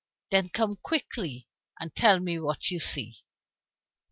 Then come quickly and tell me what you see."